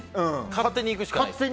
勝手に行くしかないです。